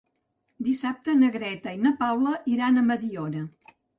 Dissabte na Greta i na Paula iran a Mediona.